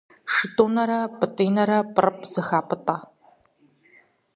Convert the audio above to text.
Шытӏунэрэ Пӏытӏинэрэ пӏырыпӏ зэхапӏытӏэ.